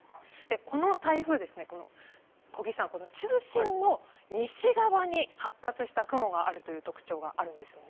この台風、小木さん中心の西側に発達した雲があるという特徴があるんですね。